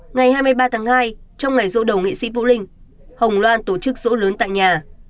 ngày hai mươi ba tháng hai trong ngày rỗ đầu nghị sĩ vũ linh hồng loan tổ chức rỗ lớn tại nhà